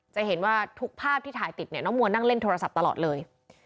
จะเห็นว่าทุกภาพที่ถ่ายติดเนี่ยน้องมัวนั่งเล่นโทรศัพท์ตลอดเลย